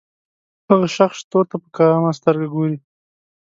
هغه شخص شتو ته په کمه سترګه ګوري.